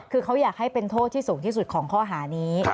คือเขาอยากให้เป็นโทษที่สูงที่สุดของข้อหานี้